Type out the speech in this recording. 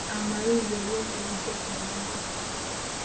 Amalula lwe lwovu oluggya ku mwenge.